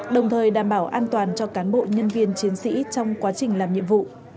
đồng thời đảm bảo an toàn cho cán bộ nhân viên chiến sĩ trong quá trình làm nhiệm vụ